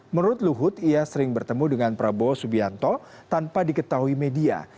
menurut luhut ia sering bertemu dengan prabowo subianto tanpa diketahui media